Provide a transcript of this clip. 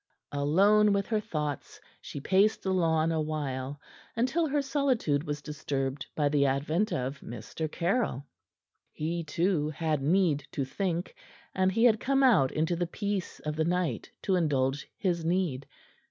Alone with her thoughts, she paced the lawn a while, until her solitude was disturbed by the advent of Mr. Caryll. He, too, had need to think, and he had come out into the peace of the night to indulge his need.